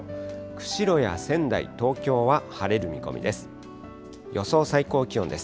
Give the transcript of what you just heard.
釧路や仙台、東京は晴れる見込みです。